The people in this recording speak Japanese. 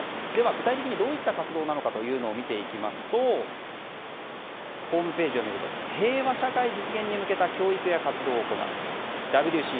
具体的にどういった活動かを見ていきますとホームページを見ると平和社会実現に向けた教育や活動を行う。